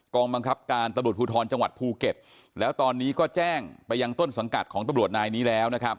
บังคับการตำรวจภูทรจังหวัดภูเก็ตแล้วตอนนี้ก็แจ้งไปยังต้นสังกัดของตำรวจนายนี้แล้วนะครับ